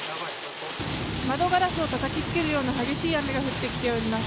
窓ガラスをたたきつけるような激しい雨が降ってきております。